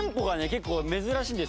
結構珍しいんです